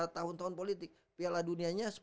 tahun tahun politik piala dunianya